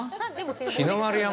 日の丸山？